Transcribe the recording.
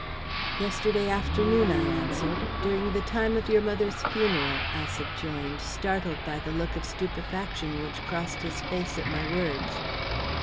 "Yesterday afternoon," I answered. "During the time of your mother's funeral," I subjoined, startled by the look of stupefaction which crossed his face at my words.